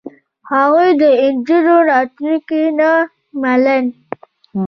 هغوی د نجونو راتلونکې نه منله.